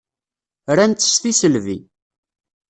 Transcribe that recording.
Ran-tt s tisselbi.